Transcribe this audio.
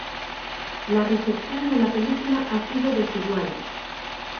La recepción de la película ha sido desigual.